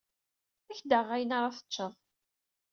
Ad ak-d-aɣeɣ ayen ara teččeḍ.